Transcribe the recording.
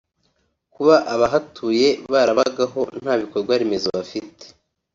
Kuba abahatuye barabagaho nta bikorwa remezo bafite